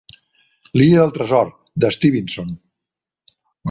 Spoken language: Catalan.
"L'illa del tresor" de Stevenson.